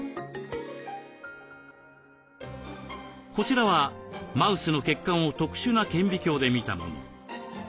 こちらはマウスの血管を特殊な顕微鏡で見たもの。